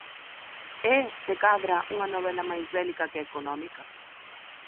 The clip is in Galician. É, se cadra, unha novela máis bélica que económica?